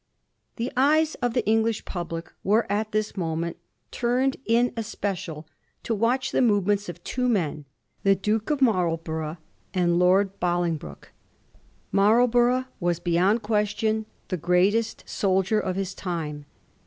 The eyes of the English pubhc were at this moment turned in especial to watch the movements of two men — ^the Duke of Marlborough and Lord Bolingbroke. Marlborough was beyond question the greatest soldier of his time.